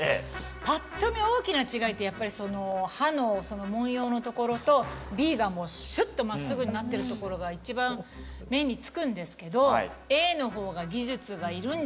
パッと見大きな違いってやっぱりその刃の文様のところとＢがシュっと真っすぐになってるところが一番目に付くんですけどＡのほうが。